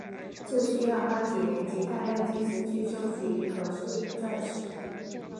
这需要花几年及大量金钱去收集合适的钻石。